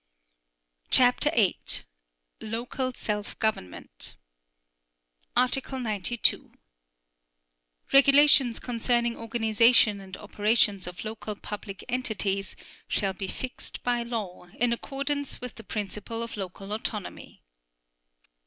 CHAPTER VIII. LOCAL SELF GOVERNMENT Article 92. Regulations concerning organization and operations of local public entities shall be fixed by law in accordance with the principle of local autonomy.